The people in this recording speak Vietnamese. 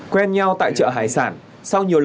quen nhau tại chợ hải sản